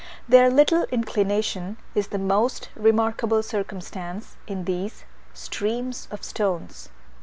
Their little inclination is the most remarkable circumstance in these "streams of stones."